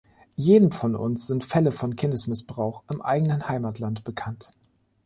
Jedem von uns sind Fälle von Kindesmissbrauch im eigenen Heimatland bekannt.